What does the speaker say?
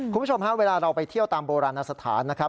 คุณผู้ชมฮะเวลาเราไปเที่ยวตามโบราณสถานนะครับ